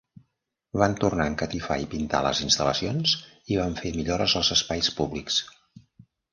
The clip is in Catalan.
Van tornar a encatifar i pintar les instal·lacions i van fer millores als espais públics.